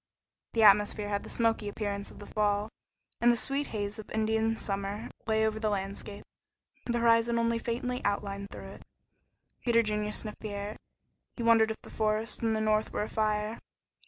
The atmosphere had the smoky appearance of the fall, and the sweet haze of Indian summer lay over the landscape, the horizon only faintly outlined through it. Peter Junior sniffed the air. He wondered if the forests in the north were afire.